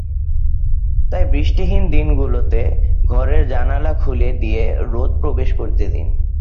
তাই বৃষ্টিহীন দিনগুলোতে ঘরের জানালা খুলে দিয়ে রোদ প্রবেশ করতে দিন।